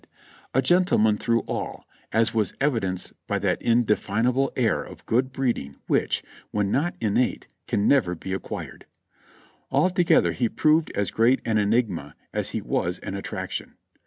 ED 3^9 a gentleman through all, as was evidenced by that indefinable air of good breeding which, when not innate, can never be acquired; altogether he proved as great an enigma as he was an attraction.